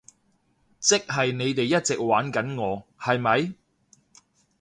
即係你哋一直玩緊我，係咪？